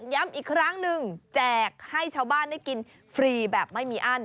ย้ำอีกครั้งหนึ่งแจกให้ชาวบ้านได้กินฟรีแบบไม่มีอั้น